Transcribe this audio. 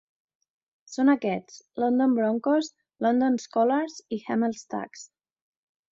Són aquests, London Broncos, London Skolars i Hemel Stags.